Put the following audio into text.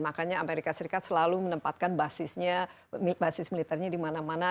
makanya amerika serikat selalu menempatkan basis militernya di mana mana